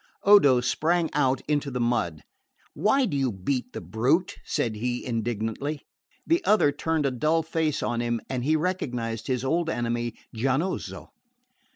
Odo sprang out into the mud. "Why do you beat the brute?" said he indignantly. The other turned a dull face on him and he recognised his old enemy Giannozzo.